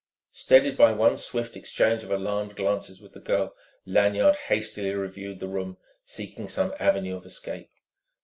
Steadied by one swift exchange of alarmed glances with the girl, Lanyard hastily reviewed the room, seeking some avenue of escape.